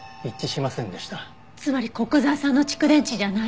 つまり古久沢さんの蓄電池じゃない。